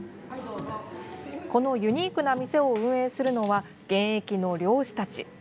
このユニークな店を運営するのは現役の猟師たち。